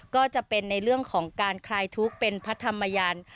ก็จะเป็นในเรื่องของการคลายทุกข์เป็นพระธรรมยัน